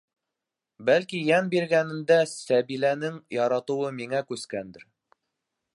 Бәлки, йән биргәнендә Сәбиләнең яратыуы миңә күскәндер...